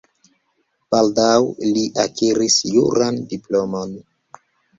Baldaŭ li akiris juran diplomon.